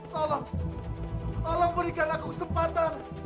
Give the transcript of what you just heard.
tolong tolong berikan aku kesempatan